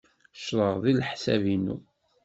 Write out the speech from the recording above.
Ccḍeɣ deg leḥsab-inu.